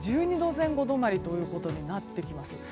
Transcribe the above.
１２度前後止まりということになってきます。